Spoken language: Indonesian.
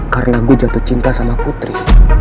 karena gue jatuh cinta sama putri